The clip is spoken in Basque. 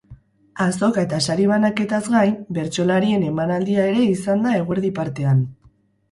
Azoka eta sari banaketaz gain, bertsolarien emanaldia ere izan da eguerdi partean.